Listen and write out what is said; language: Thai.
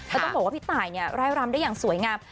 แล้วต้องบอกว่าพี่ตายไร่รำได้อย่างสวยงาม